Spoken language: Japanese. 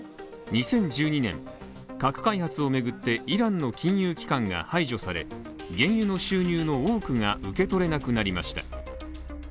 ２０１２年、核開発を巡ってイランの金融機関が排除され原油の収入の多くが受け取れなくなりました。